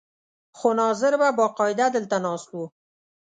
خو ناظر به باقاعده دلته ناست و.